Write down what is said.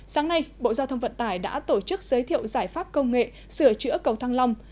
sáng nay bộ giao thông vận tải đã tổ chức giới thiệu giải pháp công nghệ sửa chữa cầu thăng long